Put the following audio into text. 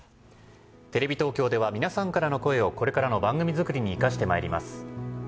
テレビ東京では皆さんからの声をこれからの番組作りに活かしてまいります。